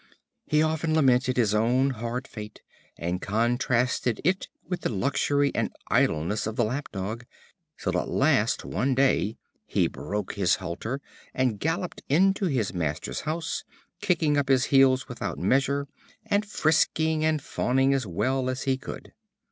He often lamented his own hard fate, and contrasted it with the luxury and idleness of the Lap dog, till at last one day he broke his halter, and galloped into his master's house, kicking up his heels without measure, and frisking and fawning as well as he could.